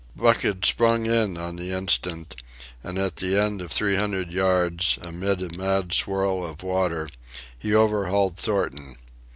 Buck had sprung in on the instant; and at the end of three hundred yards, amid a mad swirl of water, he overhauled Thornton.